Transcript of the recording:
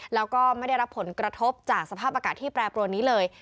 แล้วก็ไม่ได้รับผลกระทบจากสภาพอากาศที่แปรปรวนนี้เลย